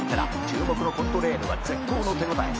「注目のコントレイルは絶好の手応え